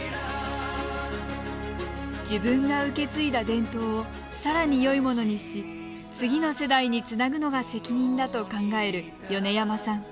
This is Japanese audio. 自分が受け継いだ伝統をさらに、よいものにし次の世代につなぐのが責任だと考える、米山さん。